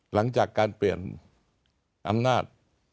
หลังจากการเปลี่ยนอำนาจ